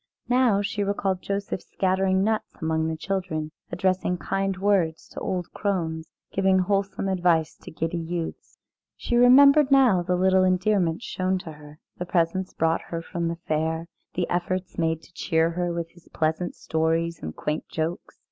Now she recalled Joseph scattering nuts among the children, addressing kind words to old crones, giving wholesome advice to giddy youths. She remembered now little endearments shown to her, the presents brought her from the fair, the efforts made to cheer her with his pleasant stories and quaint jokes.